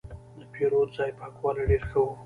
د پیرود ځای پاکوالی ډېر ښه و.